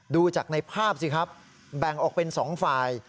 ดูจากในภาพสิครับแบ่งออกเป็น๒ฝ่าย